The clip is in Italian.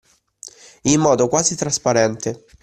In modo quasi trasparente.